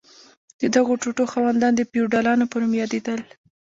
د دغو ټوټو خاوندان د فیوډالانو په نوم یادیدل.